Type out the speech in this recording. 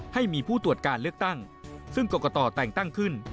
ให้มีผู้ตรวจการเลือกตั้งซึ่งกรกตแต่งตั้งขึ้น